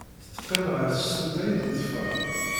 Tettekkim ar tsuta i d-iḍefṛen.